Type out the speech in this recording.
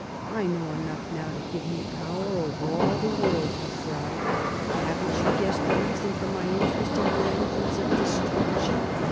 "I know enough now to give me power over all my world," he cried. "Haven't you guessed the reason for my interest in your engines of destruction?